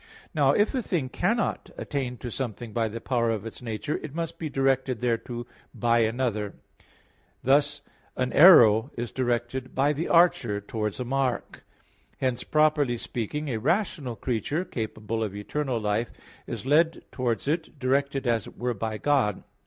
Now if a thing cannot attain to something by the power of its nature, it must be directed thereto by another; thus, an arrow is directed by the archer towards a mark. Hence, properly speaking, a rational creature, capable of eternal life, is led towards it, directed, as it were, by God.